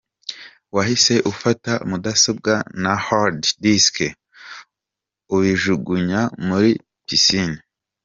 Wahise ufata mudasobwa na hard disk ubijugunya muri pisine”.